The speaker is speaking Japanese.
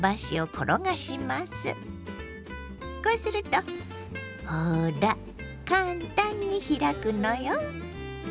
こうするとほら簡単に開くのよ。